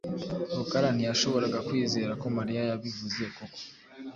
Rukara ntiyashoboraga kwizera ko Mariya yabivuze koko.